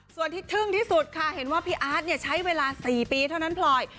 ส่วนที่ทึ่งที่สุดค่ะเห็นว่าพี่อาร์ตใช้เวลา๔ปีเท่านั้นพลอย